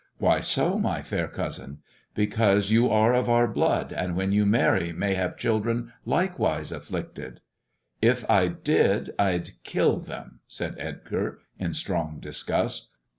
Why so, my fair cousin 1 " "Because you are of our blood, and when you marry may have children likewise afflicted." " If I did I'd kill them," said Edgar, in strong disgust.